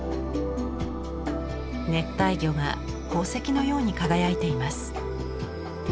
熱帯魚が宝石のように輝いています。